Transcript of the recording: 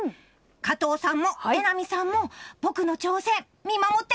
加藤さんも榎並さんも僕の挑戦